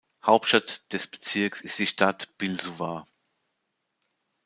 Hauptstadt des Bezirks ist die Stadt Biləsuvar.